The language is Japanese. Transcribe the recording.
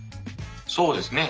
そうですね。